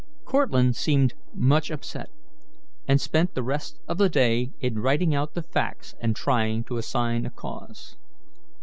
Cortlandt seemed much upset, and spent the rest of the day in writing out the facts and trying to assign a cause.